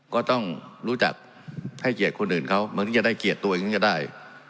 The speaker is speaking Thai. ก็ต้องรู้จักให้เกียรติคนอื่นเขาบางทีจะได้เกียรติตัวเองถึงจะได้